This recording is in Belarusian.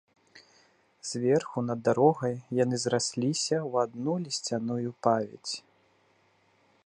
Зверху, над дарогай, яны зрасліся ў адну лісцяную павець.